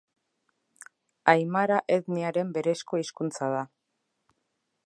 Aimara etniaren berezko hizkuntza da.